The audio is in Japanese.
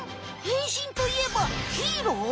変身といえばヒーロー？